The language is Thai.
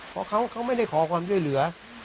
เพราะเขาไม่ได้ขอความช่วยเหลือ